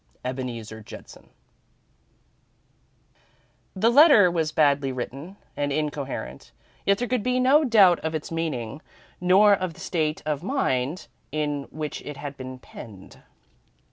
"Ebeneezer Judson." The letter was badly written and incoherent, yet there could be no doubt of its meaning, nor of the state of mind in which it had been penned.